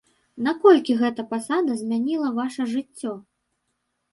Наколькі гэта пасада змяніла ваша жыццё?